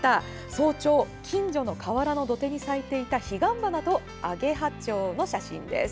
早朝、近所のかわらの土手に咲いていたヒガンバナとアゲハチョウの写真です。